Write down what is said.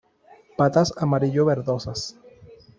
Patas amarillo verdosas.